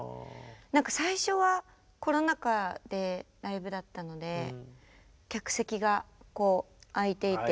最初はコロナ禍でライブだったので客席が空いていて。